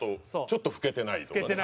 ちょっと拭けてないとかね。